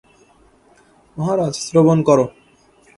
মহারাজ, শ্রবণ কর।